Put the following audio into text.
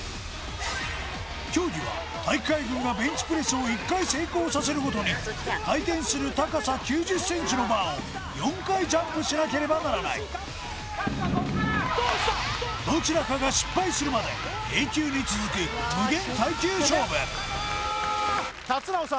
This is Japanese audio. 競技は体育会軍がベンチプレスを１回成功させるごとに回転する高さ９０ｃｍのバーを４回ジャンプしなければならないどちらかが失敗するまで永久に続く・無限！？